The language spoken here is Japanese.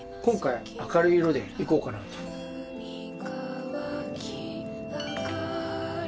今回明るい色でいこうかなと。